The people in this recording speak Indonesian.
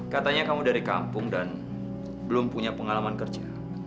katanya kamu dari kampung dan belum punya pengalaman kerja